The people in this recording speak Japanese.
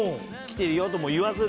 「来てるよ」とも言わず。